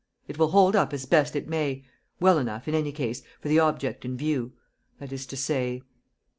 It will hold up as best it may: well enough, in any case, for the object in view, that is to say